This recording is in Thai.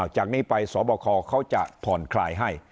จากนี้ไปสอบคอเขาจะผ่อนคลายให้